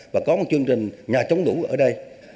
và có một chương trình nhà chống lũ ở đây